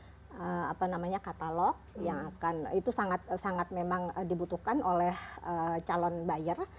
ada apa namanya katalog yang akan itu sangat sangat memang dibutuhkan oleh calon buyer